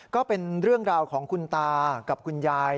ก็เป็นเรื่องราวของคุณตากับคุณยาย